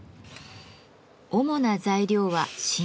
主な材料は真鍮。